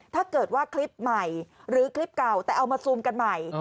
ถ้าเกิดว่าคลิปใหม่หรือคลิปเก่าแต่เอามาซูมกันใหม่